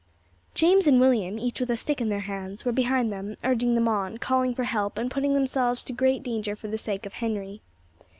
James and William, each with a stick in their hands, were behind them, urging them on, calling for help, and putting themselves to great danger for the sake of Henry.